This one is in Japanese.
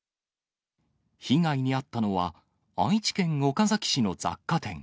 被害に遭ったのは、愛知県岡崎市の雑貨店。